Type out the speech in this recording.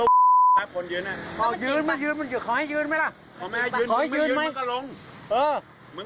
ว่าภูมิเท่าไหร่ก็ที่เป็น